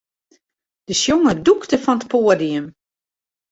De sjonger dûkte fan it poadium.